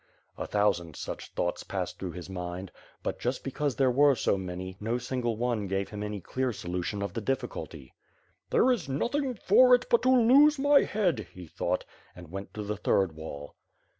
A thousand such thoughts passed through his mind; but, just because there were so many, no single one gave him any clear solution of the difficulty. "There is nothing for it, but to lose my head," he thought and went to the third wall.